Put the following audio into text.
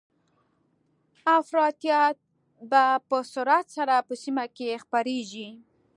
افراطيت به په سرعت سره په سیمه کې خپریږي